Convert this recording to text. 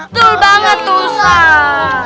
betul banget tuh ustadz